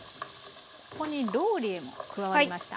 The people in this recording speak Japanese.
ここにローリエも加わりました。